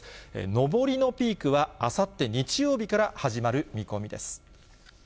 上りのピークはあさって日曜日から始まる見込みです。